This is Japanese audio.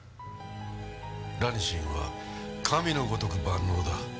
ラニシンは神のごとく万能だ。